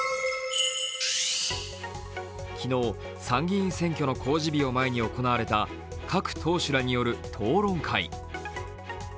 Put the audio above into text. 昨日、参議院選挙の公示日を前に行われた各党首らによる討論会。